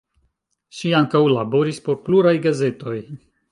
Ŝi ankaŭ laboris por pluraj gazetoj.